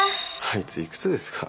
あいついくつですか？